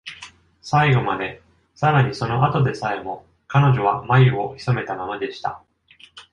最後まで、さらにその後でさえも、彼女は眉をひそめたままでした。